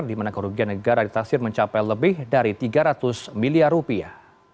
di mana kerugian negara ditaksir mencapai lebih dari tiga ratus miliar rupiah